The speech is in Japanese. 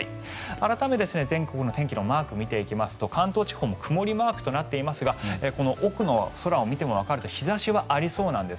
改めて全国の天気をマークで見ていきますと関東地方も曇りマークとなっていますがこの奥の空を見てもわかるように日差しはありそうなんです。